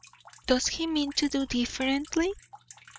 "Does he mean to do differently?"